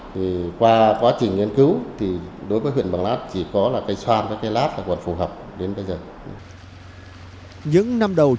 thì qua quá trình nghiên cứu thì đối với huyện mường lát chỉ có là cây xoan với cây lát là còn phù hợp đến bây giờ